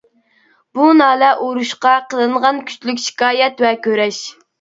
بۇ نالە ئۇرۇشقا قىلىنغان كۈچلۈك شىكايەت ۋە كۈرەش.